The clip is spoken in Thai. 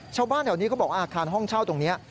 ชาวบ้านแถวนี้เขาบอกอาคารห้องเช่าตรงนี้